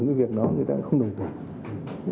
cái việc đó người ta không đồng tình